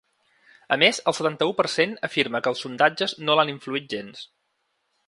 A més, el setanta-u per cent afirma que els sondatges no l’han influït gens.